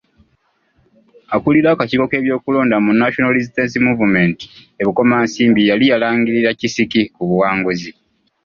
Akulira akakiiko k'ebyokulonda mu National Resistance Movement e Bukomansimbi yali yalangirira Kisiki ku buwanguzi.